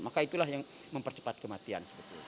maka itulah yang mempercepat kematian